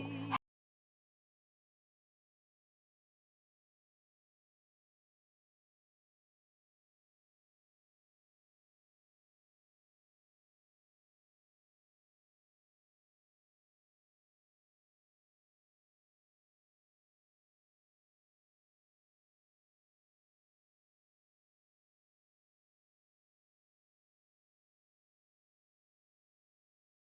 คุณเอ๋ชนสวัสดิ์จะให้คุณผู้ชมดูค่ะ